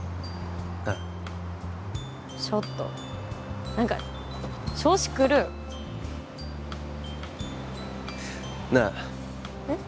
ああちょっと何か調子狂うなあうん？